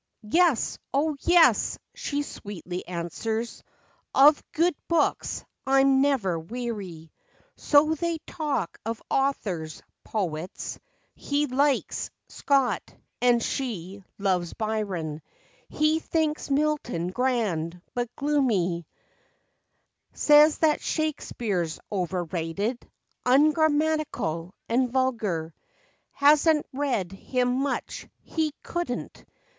"Yes, O yes," she sweetly answers; " Of good books I'm never weary." So they talk of authors, poets; He "likes" Scott, and she "loves" Byron; He thinks Milton grand, but gloomy, Says that Shakespeare's overrated, Ungrammatical and vulgar; Has n't read him much, he could n't.